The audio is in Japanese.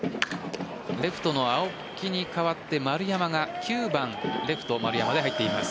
レフトの青木に代わって、丸山が９番・レフト丸山で入っています。